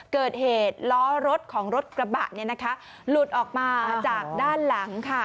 เกิดเหตุล้อรถของรถกระบะหลุดออกมาจากด้านหลังค่ะ